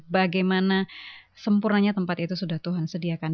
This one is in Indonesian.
bagaimana sempurnanya tempat itu sudah tuhan sediakan